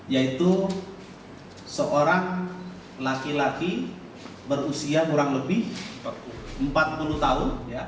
yaitu seorang laki laki berusia kurang lebih empat puluh tahun